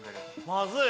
まずい！